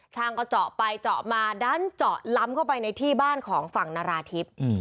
ช่างก็เจาะไปเจาะมาดันเจาะล้ำเข้าไปในที่บ้านของฝั่งนาราธิบ